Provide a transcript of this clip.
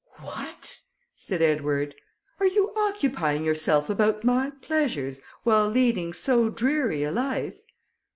"What!" said Edward, "are you occupying yourself about my pleasures, while leading so dreary a life?"